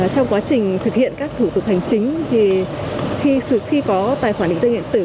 trong quá trình thực hiện các thủ tục hành chính thì khi có tài khoản định danh điện tử